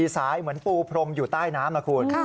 สายเหมือนปูพรมอยู่ใต้น้ำนะคุณ